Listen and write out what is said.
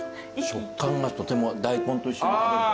食感がとても大根と一緒に食べるから。